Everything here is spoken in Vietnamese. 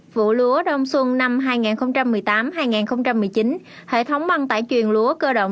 vụ lúa đông xuân năm hai nghìn một mươi tám hai nghìn một mươi chín hệ thống băng tải truyền lúa cơ động